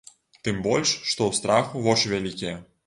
Тым больш, што ў страху вочы вялікія.